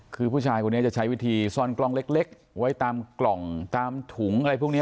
คือผู้ชายคนนี้จะใช้วิธีซ่อนกล้องเล็กไว้ตามกล่องตามถุงอะไรพวกนี้